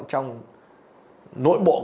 trong tổ chức tội phạm này